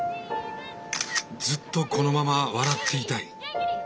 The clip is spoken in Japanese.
ずっとこのまま笑っていたい。